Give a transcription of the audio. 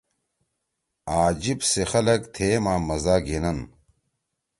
آں جیِب سی خلگ تھیے ما مزا گھینن۔